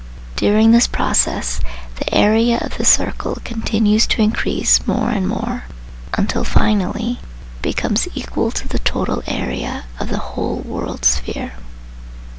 During this process the area of the circle continues to increase more and more, until finally it becomes equal to the total area of the whole " world sphere."